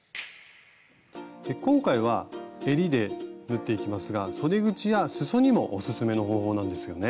今回はえりで縫っていきますがそで口や裾にもおすすめの方法なんですよね。